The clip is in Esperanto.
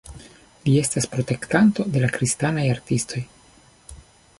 Li estas protektanto de la kristanaj artistoj.